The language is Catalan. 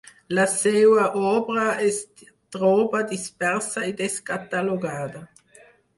La seua obra es troba dispersa i descatalogada.